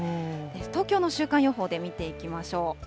東京の週間予報で見ていきましょう。